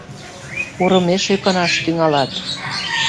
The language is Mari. Курымеш ӧкынаш тӱҥалат!